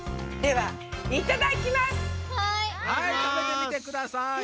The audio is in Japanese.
はいたべてみてください。